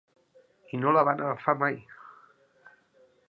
I no la van agafar mai!